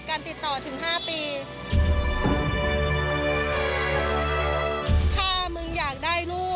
ควิทยาลัยเชียร์สวัสดีครับ